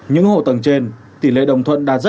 những hộ tầng trên tỉ lệ đồng thuận đạt rất cao